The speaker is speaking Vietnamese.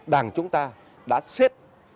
đảng chúng ta đã xếp